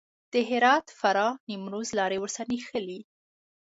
د هرات، فراه، نیمروز لارې ورسره نښلي.